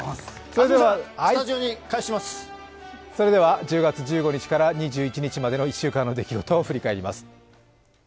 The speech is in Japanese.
それでは１０月１５日から２１日までの出来事を振り返ります。